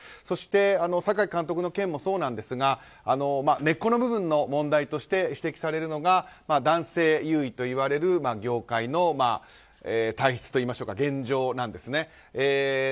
そして、榊監督の件もそうなんですが根っこの部分の問題として指摘されるのが男性優位といわれる業界の体質といいますか現状なんです。